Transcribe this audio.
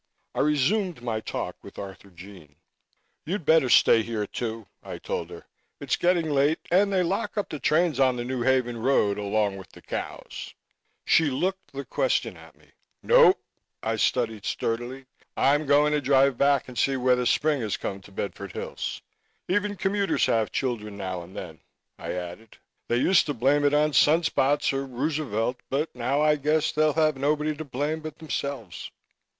I resumed my talk with Arthurjean. "You'd better stay here, too," I told her. "It's getting late and they lock up the trains on the New Haven road along with the cows." She looked the question at me. "Nope!" I replied sturdily. "I'm going to drive back and see whether spring has come to Bedford Hills. Even commuters have children now and then," I added. "They used to blame it on sunspots or Roosevelt but now I guess they'll have nobody to blame but themselves."